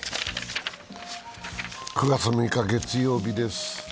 ９月６日月曜日です。